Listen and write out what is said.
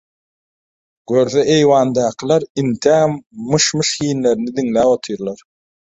Görse eýwandakylar entägem "myş-myş"hinlerini diňläp otyrlar.